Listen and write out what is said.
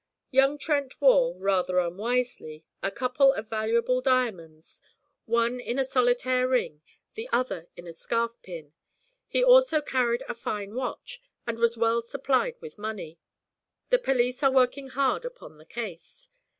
'"Young Trent wore, rather unwisely, a couple of valuable diamonds, one in a solitaire ring, the other in a scarf pin; he also carried a fine watch, and was well supplied with money. The police are working hard upon the case.